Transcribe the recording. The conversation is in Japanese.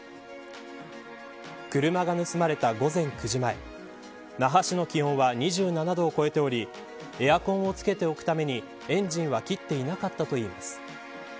車が盗まれた午前９時前那覇市の気温は２７度を超えておりエアコンをつけておくためにエンジンは切っていなかったといいます。